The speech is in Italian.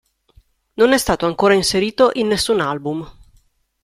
Non è stato ancora inserito in nessun album.